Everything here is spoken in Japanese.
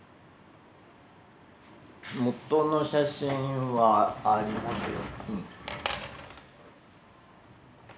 元の写真はありますよ。